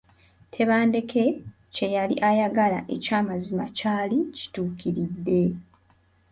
Tebandeke kye yali ayagala ekyamazima kyali kituukiridde.